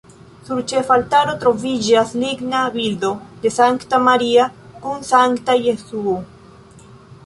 Sur ĉefa altaro troviĝas ligna bildo de Sankta Maria kun sankta Jesuo.